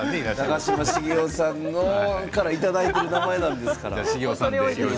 長嶋茂雄さんからいただいている名前なんですから。